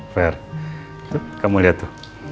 fer kamu lihat tuh